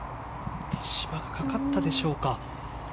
芝にかかったでしょうか。